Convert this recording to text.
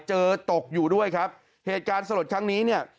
เจอตกอยู่ด้วยครับเหตุการณ์สลดครั้งนี้เนี่ย